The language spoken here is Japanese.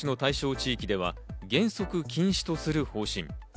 地域では原則禁止とする方針。